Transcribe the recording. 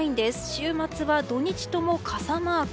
週末は土日とも傘マーク。